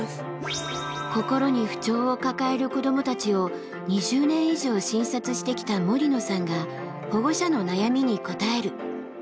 心に不調を抱える子どもたちを２０年以上診察してきた森野さんが保護者の悩みに答える。